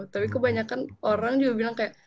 tapi kebanyakan orang juga bilang kayak